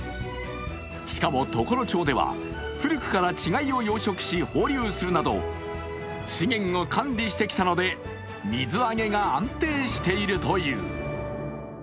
しかも常呂町では古くから稚貝を養殖し放流するなど資源を管理してきたので水揚げが安定しているという。